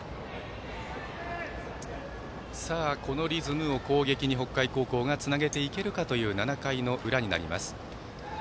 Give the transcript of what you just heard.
このリズムを攻撃に北海高校がつなげていけるかという７回の裏になります。